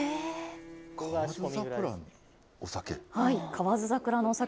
河津桜のお酒？